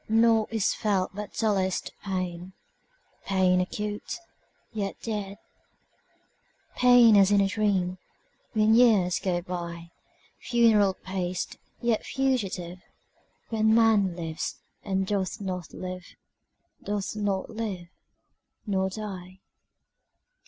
Naught is felt but dullest pain, Pain acute, yet dead; Pain as in a dream, When years go byFuneral paced, yet fugitive, When man lives, and doth not live, Doth not live—nor die.